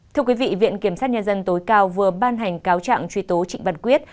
thưa quý vị viện kiểm sát nhân dân tối cao vừa ban hành cáo trạng truy tố trịnh văn quyết